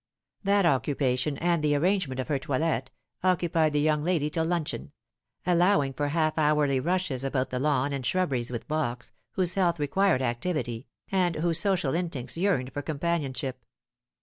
That occupation, and the arrangement of her toilet, occupied the young lady till luncheon allowing for half hourly rushes about the lawn and shrubberies with Box, whose health required activity, and whose Bocial instincts yearned for companionship.